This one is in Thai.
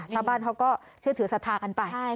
ชาวบ้านเขาก็เชื่อถือสถาคันไป